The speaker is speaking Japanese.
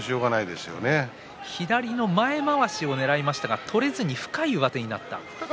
左の前まわしをねらいましたが取れずに深い上手になった。